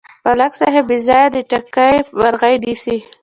ملک صاحب بېځایه د ټګۍ مرغۍ نیسي.